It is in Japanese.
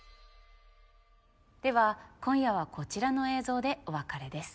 では今夜はこちらの映像でお別れです。